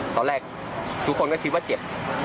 ตอนแรกทุกคนก็คิดว่าเจ็บ